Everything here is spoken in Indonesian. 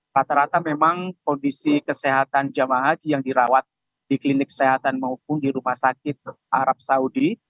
rata rata memang kondisi kesehatan jemaah haji yang dirawat di klinik kesehatan maupun di rumah sakit arab saudi